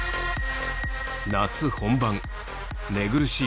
夏本番寝苦しい